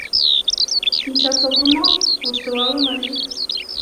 Шинчат сокыр мо? — воштылале марий.